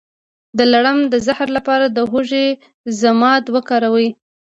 د لړم د زهر لپاره د هوږې ضماد وکاروئ